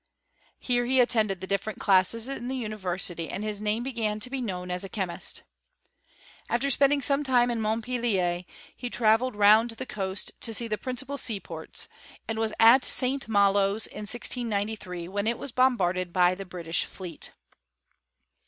Here he attended the different classes in the university, and his name begsii to be known as a chemist. After spending some timo in Montpelier, he travelled round the coast to see the principal seaports, and was at St. Malo's in 1693^ when it was bombarded by the British fleet.